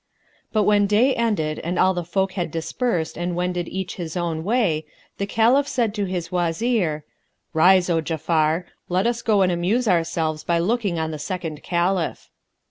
But when day ended and all the folk had dispersed and wended each his own way, the Caliph said to his Wazir, "Rise, O Ja'afar, let us go and amuse ourselves by looking on the second Caliph."